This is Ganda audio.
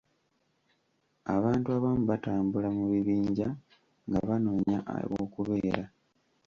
Abantu abamu batambula mu bibinja nga banoonya ew'okubeera.